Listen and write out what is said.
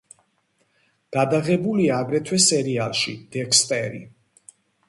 გადაღებულია აგრეთვე სერიალში „დექსტერი“.